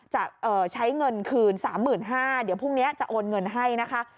จะใช้เงินคืนสามหมื่นห้าเดี๋ยวพรุ่งนี้จะโอนเงินให้นะคะ